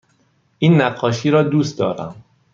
این نقاشی را دوست دارم.